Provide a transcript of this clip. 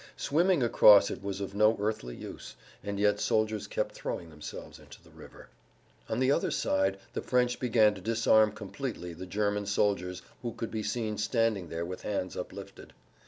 Swimming across it was of no earthly use, and yet soldiers kept throwing themselves into the river. On the other side the French began to disarm completely the German soldiers who could be seen standing there with hands uplifted.